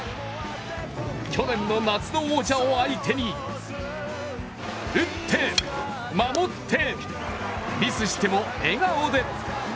去年の夏の王者を相手に打って、守って、ミスしても笑顔で。